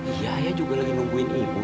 iya ayah juga lagi nungguin ibu